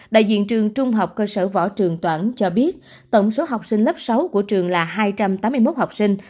đại diện trường trung học cơ sở võ trường toản cho biết tổng số học sinh lớp sáu của trường là hai trăm tám mươi một học sinh